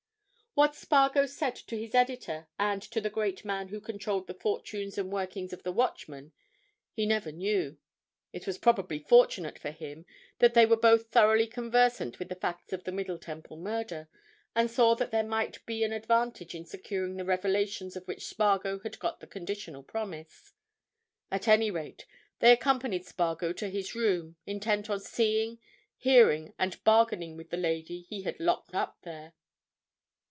What Spargo said to his editor and to the great man who controlled the fortunes and workings of the Watchman he never knew. It was probably fortunate for him that they were both thoroughly conversant with the facts of the Middle Temple Murder, and saw that there might be an advantage in securing the revelations of which Spargo had got the conditional promise. At any rate, they accompanied Spargo to his room, intent on seeing, hearing and bargaining with the lady he had locked up there.